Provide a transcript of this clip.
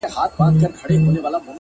ما اورېدلي چي له مړاوو اوبو سور غورځي!